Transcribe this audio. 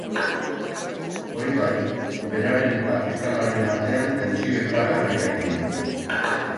Hori bai, beraren eta fiskalaren artean tentsio ikaragarriarekin.